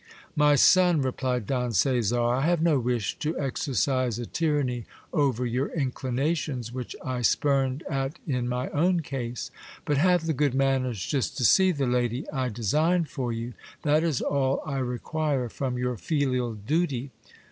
My son, re plied Don Caesar, I have no wish to exercise a tyranny over your inclinations, which I spurned at in my own case. But have the good manners just to see the lady I design for you, that is all I require from your filial duty.